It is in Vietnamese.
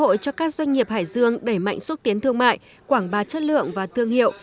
hội nghị tạo cơ hội cho các doanh nghiệp hải dương đẩy mạnh xúc tiến thương mại quảng bá chất lượng và tương hiệu